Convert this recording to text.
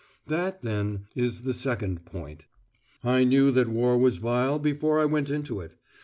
That, then, is the second point. I knew that war was vile, before I went into it.